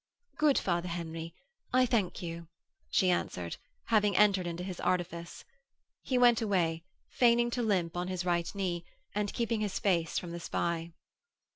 'Good Father Henry, I thank you,' she answered, having entered into his artifice. He went away, feigning to limp on his right knee, and keeping his face from the spy.